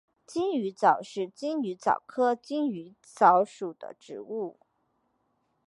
金鱼藻是金鱼藻科金鱼藻属的植物。